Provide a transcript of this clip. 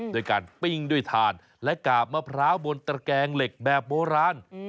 ด้วยการปิ้งด้วยถ่านและกาบมะพร้าวบนตระแกงเหล็กแบบโบราณ